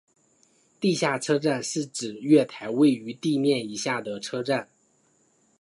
地下车站是指月台位于地面以下的车站。